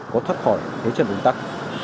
có thoát khỏi thế trận un tắc